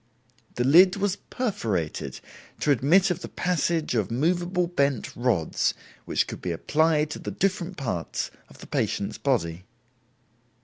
The lid was perforated to admit of the passage of movable bent rods, which could be applied to the different parts of the patient's body.